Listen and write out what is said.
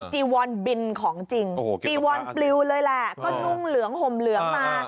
จีวอนบินของจริงจีวอนปลิวเลยแหละก็นุ่งเหลืองห่มเหลืองมา